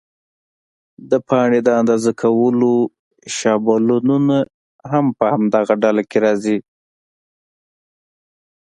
د پاڼې د اندازه کولو شابلونونه هم په همدې ډله کې راځي.